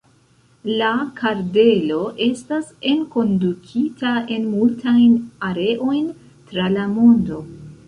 La kardelo estas enkondukita en multajn areojn tra la mondo.